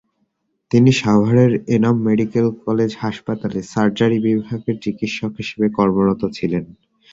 তিনি সাভারের Enam medical college হাসপাতালে সার্জারি বিভাগের চিকিৎসক হিসেবে কর্মরত ছিলেন।